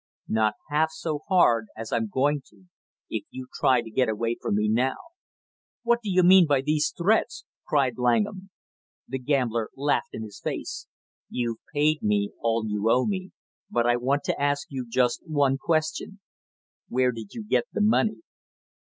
"Not half so hard as I am going to if you try to get away from me now " "What do you mean by these threats?" cried Langham. The gambler laughed in his face. "You've paid me all you owe me, but I want to ask you just one question. Where did you get the money?"